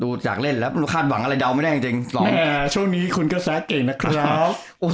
จากเล่นแล้วไม่รู้คาดหวังอะไรเดาไม่ได้จริงช่วงนี้คุณกระแสเก่งนะครับ